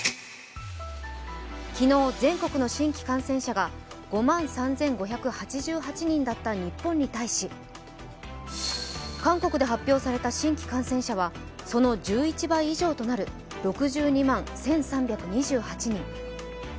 昨日全国の新規感染者が５万３５８８人だった日本に対し韓国で発表された新規感染者はその１１倍以上となる６２万１３２８人。